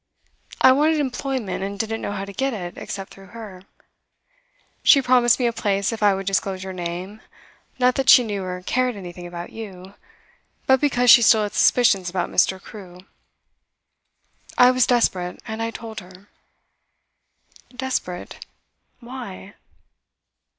I wanted employment, and didn't know how to get it, except through her. She promised me a place if I would disclose your name; not that she knew or cared anything about you, but because she still had suspicions about Mr. Crewe. I was desperate, and I told her.' 'Desperate? Why?